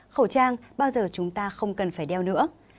khẩu trang bao giờ chúng ta không cần phải đeo nữa